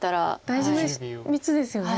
大事な３つですよね。